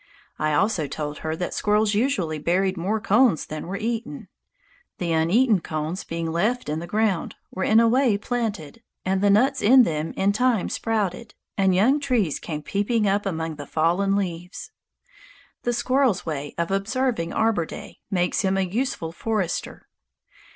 I also told her that squirrels usually buried more cones than were eaten. The uneaten cones, being left in the ground, were in a way planted, and the nuts in them in time sprouted, and young trees came peeping up among the fallen leaves. The squirrel's way of observing Arbor Day makes him a useful forester.